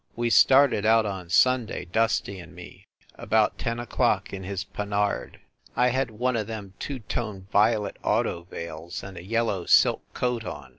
We started out on Sunday, Dusty and me, about ten o clock, in his Panhard. I had one o them two toned violet auto veils and a yellow silk coat on.